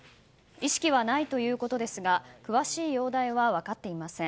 意識はないということですが詳しい容体は分かっていません。